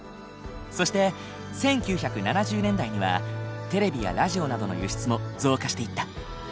そして１９７０年代にはテレビやラジオなどの輸出も増加していった。